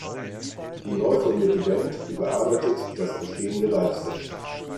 Die neu formierte Band überarbeitet das bestehende Live-Set.